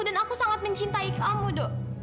dan aku sangat mencintai kamu do